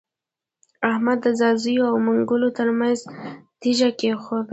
احمد د ځاځيو او منلګو تر منځ تيږه کېښوده.